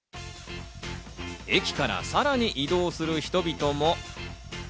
駅からさらに移動する人々も。